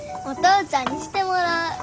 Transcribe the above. お父ちゃんにしてもらう。